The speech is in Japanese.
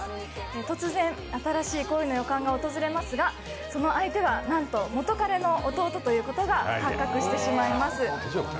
突然、新しい恋の予感が訪れますがその相手はなんと元カレの弟ということが発覚してしまいます。